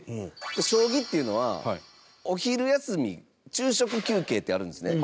将棋っていうのは、お昼休み昼食休憩ってあるんですね。